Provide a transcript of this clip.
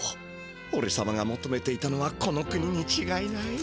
おれさまがもとめていたのはこの国にちがいない！